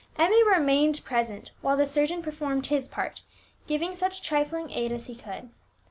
Emmie remained present while the surgeon performed his part, giving such trifling aid as she could.